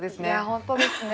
本当ですね。